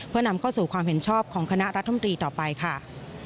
เพื่อนำเข้าสู่ความเห็นชอบของคณะรัฐมนตรีต่อไปค่ะ